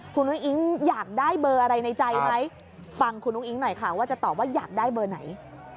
คุณอุ้งอิ๊งอยากได้เบอร์อะไรในใจไหมฟังคุณอุ้งอิ๊งหน่อยค่ะว่าจะตอบว่าอยากได้เบอร์ไหน